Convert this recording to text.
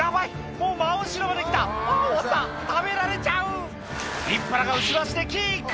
もう真後ろまで来たあ終わった食べられちゃうインパラが後ろ足でキック！